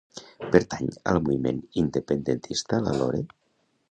Pertany al moviment independentista la Lore?